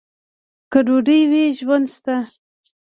که ډوډۍ وي، ژوند شته.